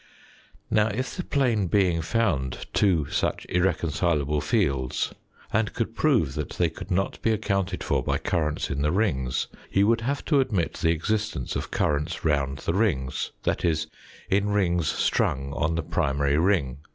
Now, if the plane being found two such irreconcilable fields and could prove that they could not be accounted for by currents in the rings, he would have to admit the existence of currents round the rings that is, in rings strung on the primary ring.